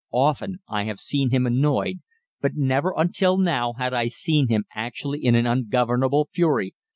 Often I had seen him annoyed, but never until now had I seen him actually in an ungovernable fury.